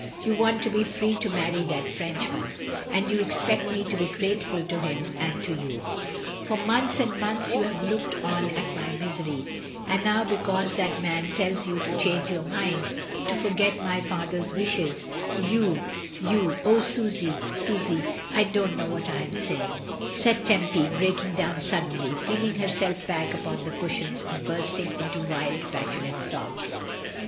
"You want to be free to marry that Frenchman — and you expect me to be grateftil to him and to you — for months and months you have looked on at my misery, and now because that man tells you to change your mind, to forget my father's wishes, you — you — Oh, Susy, Susy, I don't know what I am saying," cried Tempy breaking down suddenly, flinging herself back upon the cushions and bursting into wild passionate sobs.